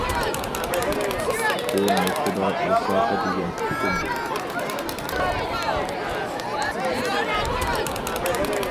بۇ نۇقتىدا مۇساپە دېگەن ئۇقۇم يوق.